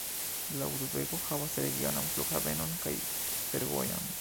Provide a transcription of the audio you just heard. La urbego havas regionan flughavenon kaj fervojon.